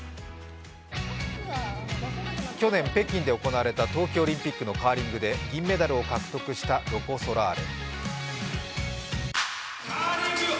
去年、北京で行われた冬季オリンピックのカーリングで銀メダルを獲得したロコ・ソラーレ。